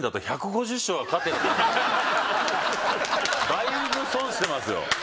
だいぶ損してますよ。